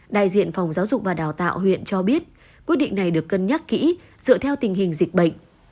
đại diện phòng giáo dục và đào tạo huyện cho biết quyết định này được cân nhắc kỹ dựa theo tình hình dịch bệnh